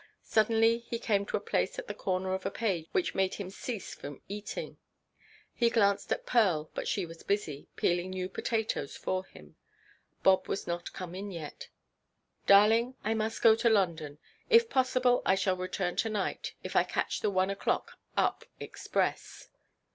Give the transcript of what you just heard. Suddenly he came to a place at the corner of a page which made him cease from eating. He glanced at Pearl, but she was busy, peeling new potatoes for him. Bob was not come in yet. "Darling, I must go to London. If possible I shall return to–night, if I catch the one oʼclock up express."